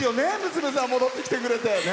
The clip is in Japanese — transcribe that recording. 娘さん、戻ってきてくれて。